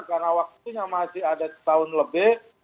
karena waktunya masih ada setahun lebih